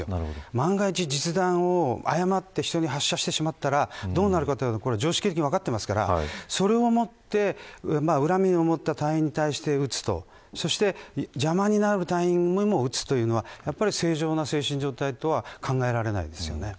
万が一、実弾を誤って人に発射してしまったらどうなるか、常識的に分かっていますからそれをもって恨みを持った隊員に対して撃つとそして、邪魔になる隊員にも撃つというのはやっぱり正常な精神状態とは考えられないですよね。